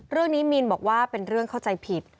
เรื่องนี้มีนบอกว่าเป็นเรื่องเข้าใจผิด